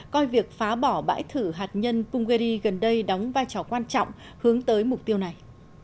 coi việc phá bỏ bãi thử hạt nhân punggiri gần đây đóng vai trò quan trọng hướng tới mục tiêu này